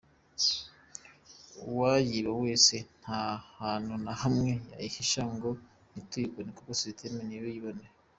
Uwayiba wese nta hantu na hamwe yayihisha ngo ntituyifate kuko system iba iyibona.